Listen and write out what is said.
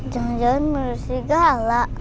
jangan jangan mursi galak